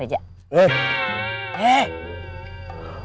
itu tuh apaan udah lu